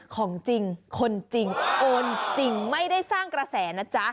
ของจริงคนจริงโอนจริงไม่ได้สร้างกระแสนะจ๊ะ